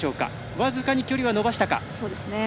僅かに距離は伸ばしたか。